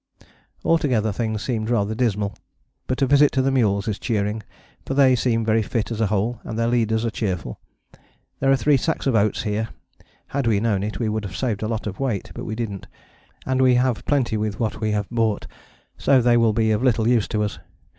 Altogether things seemed rather dismal, but a visit to the mules is cheering, for they seem very fit as a whole and their leaders are cheerful. There are three sacks of oats here had we known it would have saved a lot of weight but we didn't, and we have plenty with what we have brought, so they will be of little use to us.